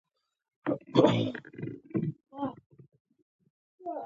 یو رنځور چې کله بستر ته لېږدول کېږي، د شفا تمه لري.